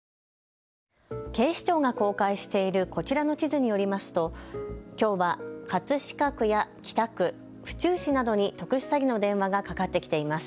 警視庁が公開しているこちらの地図によりますときょうは葛飾区や北区、府中市などに特殊詐欺の電話がかかってきています。